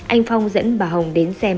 anh phong dẫn bà hồng đến xem